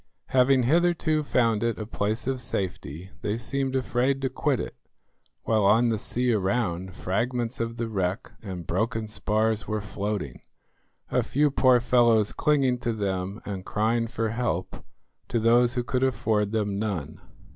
Having hitherto found it a place of safety they seemed afraid to quit it, while on the sea around fragments of the wreck and broken spars were floating, a few poor fellows clinging to them and crying for help to those who could afford them none.